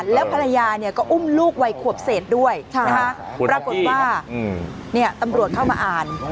แล้วภรรยาก็อุ้มลูกวัยขวบเศษด้วยปรากฏว่าตำรวจเข้ามาอ่าน